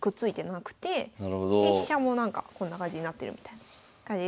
で飛車もこんな感じになってるみたいな感じですね。